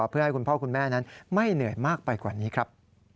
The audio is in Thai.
เพื่อให้คุณพ่อคุณแม่นั้นไม่เหนื่อยมากไปกว่านี้ครับ